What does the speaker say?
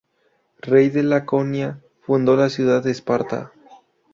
Rey de Laconia, fundó la ciudad de Esparta.